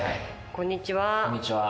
こんにちは。